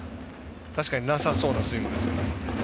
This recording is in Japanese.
確かになさそうなスイングですよ。